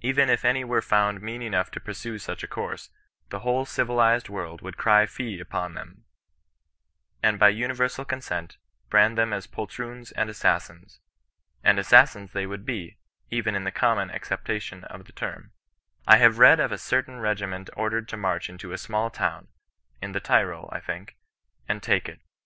Even if any were found mean enough to pursue such a course, the whole civilized world would cry fie upon them, and, by universal consent, brand them as poltroons and assas sins. And assassins they would be, even in the common acceptation of the term. I have read of a certain regi ment ordered to march into a small town (in the Tyrol, I think), and take it.